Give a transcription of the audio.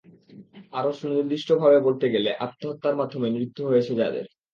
আরও সুনির্দিষ্টভাবে বলতে গেলে, আত্মহত্যার মাধ্যমে মৃত্যু হয়েছে যাদের।